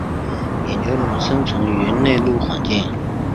野牛龙生存于内陆环境。